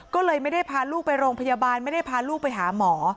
ก็เลยไม่ได้พาลูกไปโรงพยาบาลไม่ได้พาลูกไปหาหมอ